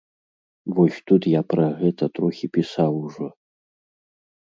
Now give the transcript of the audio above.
Вось тут я пра гэта трохі пісаў ужо.